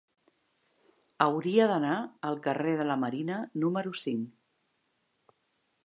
Hauria d'anar al carrer de la Marina número cinc.